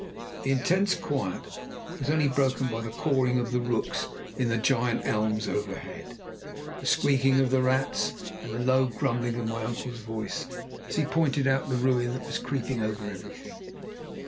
The intense quiet was only broken by the cawing of the rooks in the giant elms overhead, the squeaking of the rats, and the low grumbling of my uncle's voice as he pointed out the ruin that was creeping over everything.